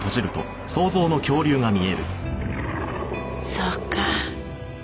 そうか。